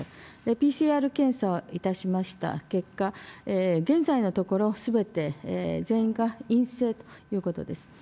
ＰＣＲ検査をいたしました結果、現在のところ、すべて全員が陰性ということです。